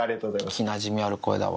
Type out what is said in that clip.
聞きなじみある声だわ。